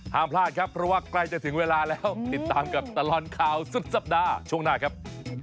ห้ามพลาดครับเพราะว่าใกล้จะถึงเวลาแล้วติดตามกับตลอดข่าวสุดสัปดาห์ช่วงหน้าครับ